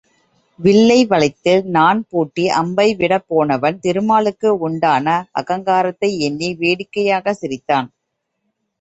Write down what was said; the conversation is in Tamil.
வில்லை வளைத்து, நாண் பூட்டி, அம்பை விடப் போனவன், திருமாலுக்கு உண்டான அகங்காரத்தை எண்ணி வேடிக்கையாகச் சிரித்தான்.